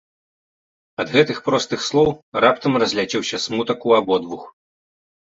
Ад гэтых простых слоў раптам разляцеўся смутак у абодвух.